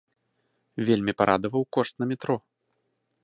Вельмі парадаваў кошт на метро.